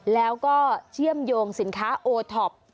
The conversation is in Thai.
แล้วก็เชื่อมโยงสินค้าโอท็อป